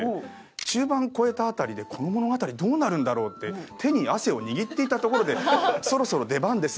中盤超えた辺りでこの物語どうなるんだろうって手に汗を握っていたところで「そろそろ出番です」